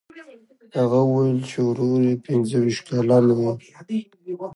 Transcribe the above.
هغه وویل چې ورور یې پنځه ویشت کلن و.